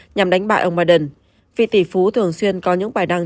nhằm đánh bại ông biden vì tỷ phú thường xuyên có những bài đăng